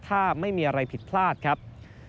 ถ้าไม่มีอะไรผิดพลาดครับ